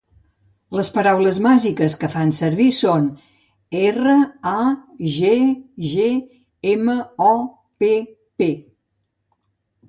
Les "paraules màgiques" que fa servir són "R-A-G-G M-O-P-P".